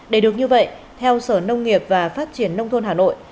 để được như vậy theo sở nông nghiệp và phát triển nông thôn hà nội